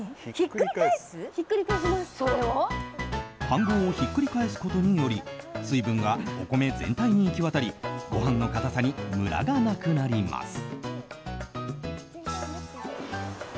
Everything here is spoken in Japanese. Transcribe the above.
飯ごうをひっくり返すことにより水分がお米全体に行き渡りご飯の硬さにムラがなくなります。